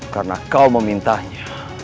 karena kau memintanya